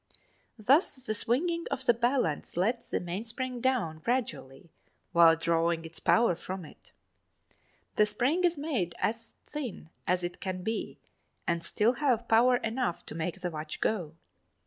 Thus the swinging of the balance lets the mainspring down gradually while drawing its power from it. The spring is made as thin as it can be and still have power enough to make the watch go.